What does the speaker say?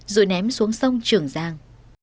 rồi ném xuống sông trường giang